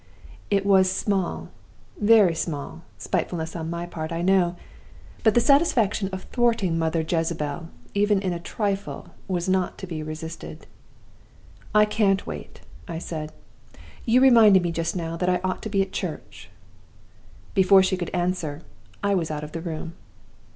"It was small, very small, spitefulness on my part, I know; but the satisfaction of thwarting Mother Jezebel, even in a trifle, was not to be resisted. 'I can't wait,' I said; 'you reminded me just now that I ought to be at church.' Before she could answer I was out of the room.